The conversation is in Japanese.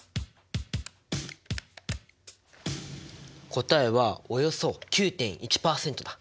答えはおよそ９．１％だ。